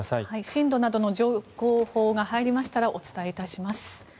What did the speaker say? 震度などの情報が入りましたらお伝えいたします。